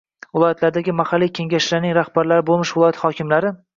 Viloyatlardagi mahalliy kengashlarning rahbarlari bo‘lmish viloyat hokimlari